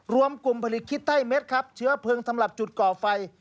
รวมกลุ่มผลิตคิดไต้เม็ดครับเชื้อเพลิงสำหรับจุดก่อไฟ